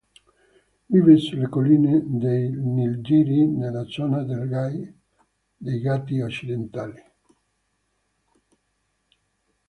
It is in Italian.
Vive sulle colline dei Nilgiri, nella zona dei Ghati occidentali.